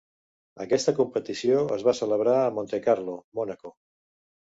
Aquesta competició es va celebrar a Montecarlo, Mònaco.